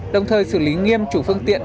đồng thời xử lý nghiêm chủ phương tiện